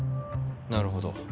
なるほど。